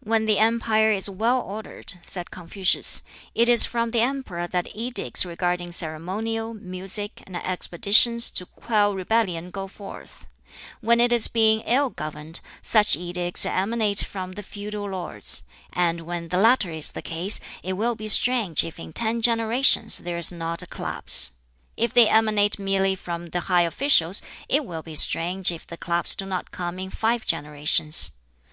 "When the empire is well ordered," said Confucius, "it is from the emperor that edicts regarding ceremonial, music, and expeditions to quell rebellion go forth. When it is being ill governed, such edicts emanate from the feudal lords; and when the latter is the case, it will be strange if in ten generations there is not a collapse. If they emanate merely from the high officials, it will be strange if the collapse do not come in five generations.